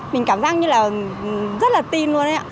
mình cảm giác như là rất là tin luôn đấy ạ